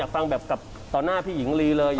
อยากฟังกับต่อหน้าพี่หญิงลีเลย